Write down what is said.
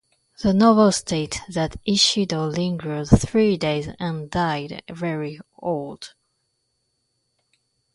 The novel states that "Ishido lingered three days and died very old".